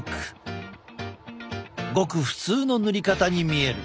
ごく普通の塗り方に見える。